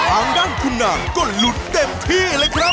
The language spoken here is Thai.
ทางด้านคุณนางก็หลุดเต็มที่เลยครับ